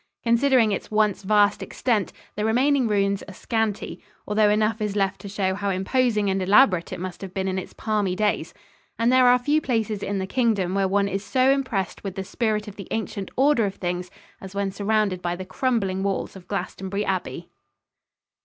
Considering its once vast extent, the remaining ruins are scanty, although enough is left to show how imposing and elaborate it must have been in its palmy days. And there are few places in the Kingdom where one is so impressed with the spirit of the ancient order of things as when surrounded by the crumbling walls of Glastonbury Abbey. [Illustration: ST. JOSEPH'S CHAPEL, GLASTONBURY ABBEY.